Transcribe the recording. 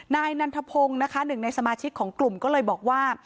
นายนันทพงศ์นะคะหนึ่งในสมาชิกของกลุ่มก็เลยบอกว่า